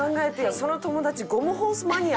その友達ゴムホースマニア。